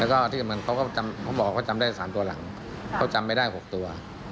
แล้วก็ที่เหมือนเขาก็เขาบอกว่าเขาจำได้๓ตัวหลังเขาจำไม่ได้๖ตัว